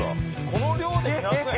この量で２００円？